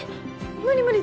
無理無理！